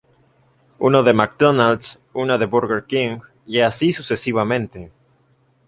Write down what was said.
Uno de McDonalds, una de Burger King, y así sucesivamente.